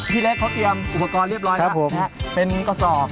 เล็กเขาเตรียมอุปกรณ์เรียบร้อยครับผมเป็นกระสอบ